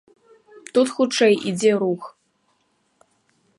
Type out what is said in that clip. Тут хутчэй ідзе рух.